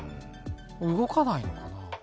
動かないのかな。